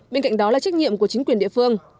bên cạnh đó là trách nhiệm của chính quyền địa phương